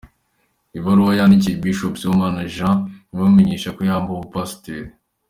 Ibaruwa yandikiwe Bishop Sibomana Jean imumenyesha ko yambuwe ubupasitori.